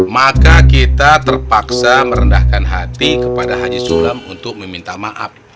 maka kita terpaksa merendahkan hati kepada haji sulam untuk meminta maaf